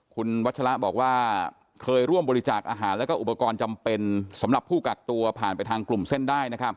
คุณวัชละบอกว่าเคยร่วมบริจาคอาหารและอุปกรณ์จำเป็นสำหรับผู้กักตัวผ่านไปทางกลุ่มเส้นได้